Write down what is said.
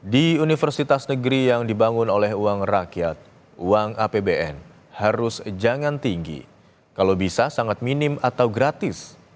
di universitas negeri yang dibangun oleh uang rakyat uang apbn harus jangan tinggi kalau bisa sangat minim atau gratis